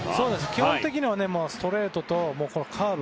基本的にはストレートとカーブ